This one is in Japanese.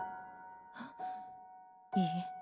あっいいえ。